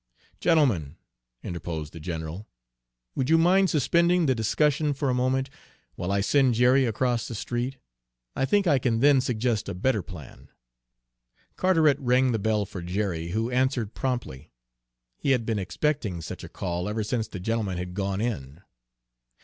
"Gentlemen," interposed the general, "would you mind suspending the discussion for a moment, while I mind Jerry across the street? I think I can then suggest a better plan." Carteret rang the bell for Jerry, who answered promptly. He had been expecting such a call ever since the gentlemen had gone in.